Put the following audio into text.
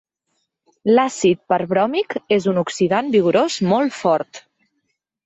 L'àcid perbròmic és un oxidant vigorós molt fort.